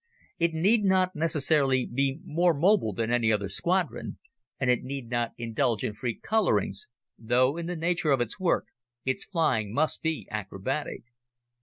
It need not necessarily be more mobile than any other squadron, and it need not indulge in freak colorings, though in the nature of its work, its flying must be acrobatic.